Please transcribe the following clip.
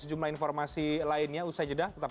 sejumlah informasi lainnya usai jeda tetap